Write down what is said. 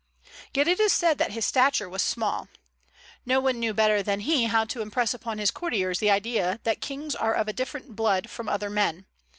Yet it is said that his stature was small. No one knew better than he how to impress upon his courtiers the idea that kings are of a different blood from other men.